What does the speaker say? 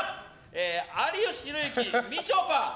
有吉弘行、みちょぱ。